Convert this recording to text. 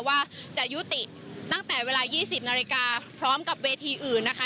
ว่าจะยุติตั้งแต่เวลา๒๐นาฬิกาพร้อมกับเวทีอื่นนะคะ